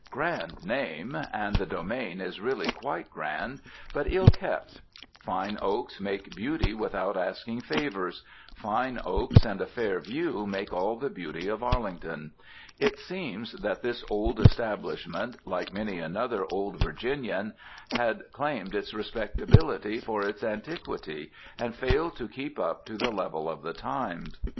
Grand name! and the domain is really quite grand, but ill kept. Fine oaks make beauty without asking favors. Fine oaks and a fair view make all the beauty of Arlington. It seems that this old establishment, like many another old Virginian, had claimed its respectability for its antiquity, and failed to keep up to the level of the time.